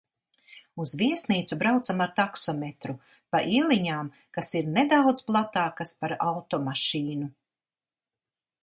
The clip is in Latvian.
Uz viesnīcu braucam ar taksometru pa ieliņām, kas ir nedaudz platākas par automašīnu.